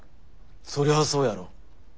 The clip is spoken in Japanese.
そりゃあそうやろ。